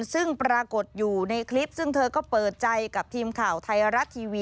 ซึ่งปรากฏอยู่ในคลิปซึ่งเธอก็เปิดใจกับทีมข่าว